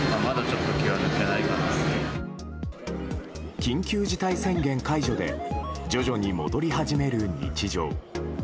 緊急事態宣言解除で徐々に戻り始める日常。